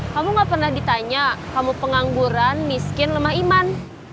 kamu gak pernah ditanya kamu pengangguran miskin lemah iman